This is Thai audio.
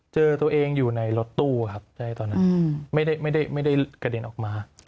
เจอตัวเองอยู่ในรถตู้ครับไม่ได้กระเด็นออกมา